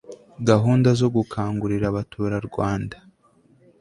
gahunda zo gukangurira abaturarwanda